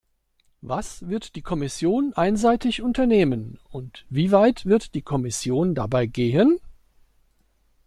Was wird die Kommission einseitig unternehmen, und wie weit wird die Kommission dabei gehen?